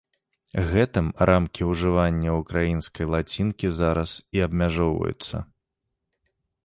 Гэтым рамкі ўжывання ўкраінскай лацінкі зараз і абмяжоўваюцца.